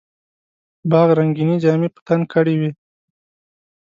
باغ رنګیني جامې په تن کړې وې.